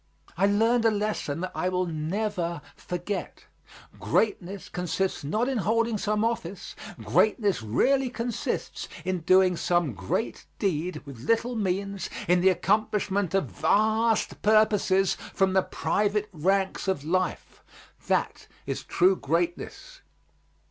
I learned a lesson that I will never forget. Greatness consists not in holding some office; greatness really consists in doing some great deed with little means, in the accomplishment of vast purposes from the private ranks of life; that is true greatness.